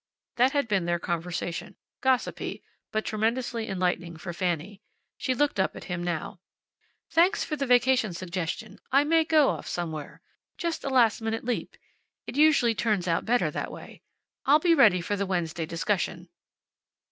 That had been their conversation, gossipy, but tremendously enlightening for Fanny. She looked up at him now. "Thanks for the vacation suggestion. I may go off somewhere. Just a last minute leap. It usually turns out better, that way. I'll be ready for the Wednesday discussion."